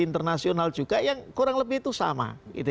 internasional juga yang kurang lebih itu sama